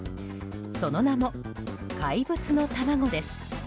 その名も、怪物の玉子です。